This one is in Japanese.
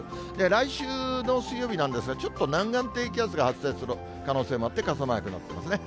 来週の水曜日なんですが、ちょっと南岸低気圧が発生する可能性もあって、傘マークになってますね。